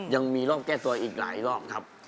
ยังมีโรคแก้ตัวอีกหลายรอบครับ